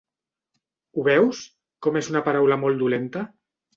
Ho veus, com és una paraula molt dolenta!